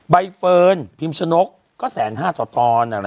ใบเฟิร์นพิมชนกก็๑๕๐๐ต่อตอน